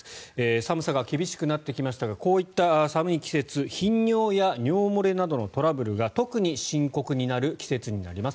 寒さが厳しくなってきましたがこういった寒い季節頻尿や尿漏れなどのトラブルが特に深刻になる季節になります。